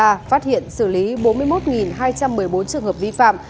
phát hiện xử lý bốn mươi một hai trăm một mươi bốn trường hợp vi phạm